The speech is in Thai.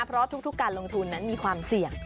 เพราะทุกการลงทุนนั้นมีความเสี่ยง